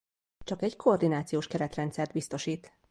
Csak egy koordinációs keretrendszert biztosít.